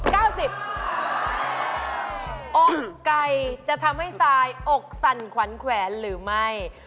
ไก่จะทำให้ทรายอกสั่นขวัญแขวนหรือไม่